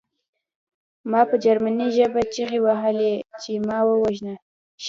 ما په جرمني ژبه چیغې وهلې چې ما ووژنه